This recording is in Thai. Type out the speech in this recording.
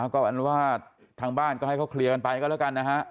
ก็อันว่าทางบ้านก็ให้เขาเคลียร์กันไปก็แล้วกันนะฮะ